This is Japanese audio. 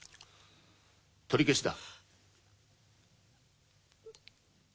取り消しだ。